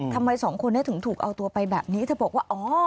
ทำไมสองคนนี้ถึงถูกเอาตัวไปแบบนี้เธอบอกว่าอ๋อ